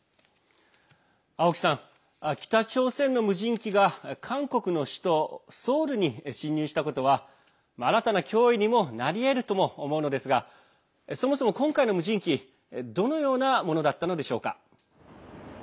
青木さん、北朝鮮の無人機が韓国の首都ソウルに侵入したことは新たな脅威にもなりえるとも思うのですがそもそも今回の無人機どのようなものだったのでしょうか？